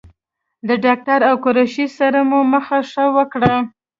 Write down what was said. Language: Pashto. د ډاکټر او قریشي سره مو مخه ښه وکړه.